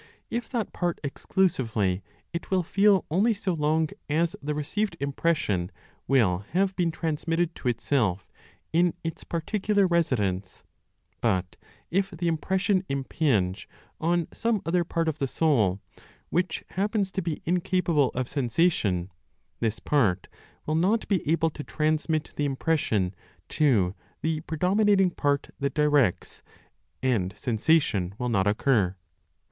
If that part exclusively, it will feel only so long as the received impression will have been transmitted to itself, in its particular residence; but if the impression impinge on some other part of the soul, which happens to be incapable of sensation, this part will not be able to transmit the impression to the (predominating) part that directs, and sensation will not occur.